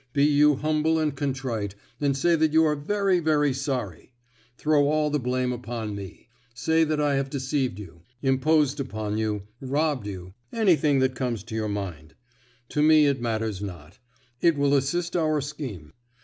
Be you humble and contrite, and say that you are very, very sorry. Throw all the blame upon me: say that I have deceived you, imposed upon you, robbed you anything that comes to your mind. To me it matters not; it will assist our scheme.